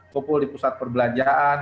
kumpul di pusat perbelanjaan